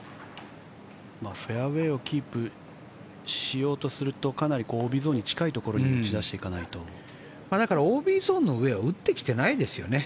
フェアウェーをキープしようとするとかなりＯＢゾーンに近いところにＯＢゾーンの上を打ってきてないですよね。